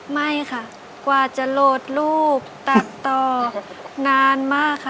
ไม่ค่ะ